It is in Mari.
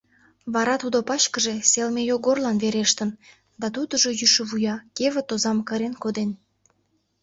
Вара тудо пачкыже Селме Йогорлан верештын, да тудыжо, йӱшӧ вуя, кевыт озам кырен коден...